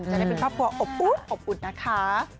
จะได้เป็นครอบครัวอบอุ๊บอบอุ่นนะคะ